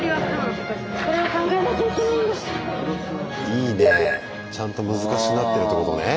いいねぇちゃんと難しくなってるってことね。